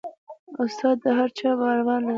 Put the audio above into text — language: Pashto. استاد د هر چا باور لري.